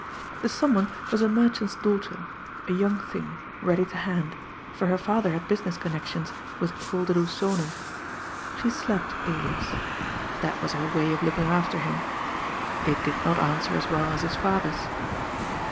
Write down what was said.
The someone was a merchant's daughter, a young thing, ready to hand, for her father had business connections with Yolderdoes Zonen. She slapped Elias. That was her way of looking after him. It did not answer as well as his father's.